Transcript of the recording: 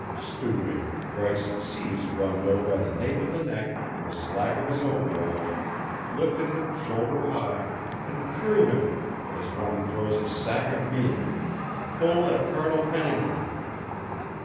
Stooping, Bryce seized Rondeau by the nape of the neck and the slack of his overalls, lifted him shoulder high and threw him, as one throws a sack of meal, full at Colonel Pennington.